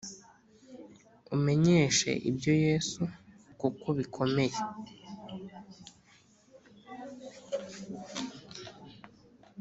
Umenyeshe ibyo yesu kuko bikomeye